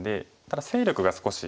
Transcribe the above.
ただ勢力が少し。